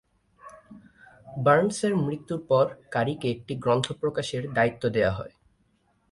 বার্নসের মৃত্যুর পর কারিকে একটি গ্রন্থ প্রকাশের দায়িত্ব দেওয়া হয়।